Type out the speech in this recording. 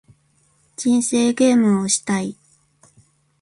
人生ゲームをしたい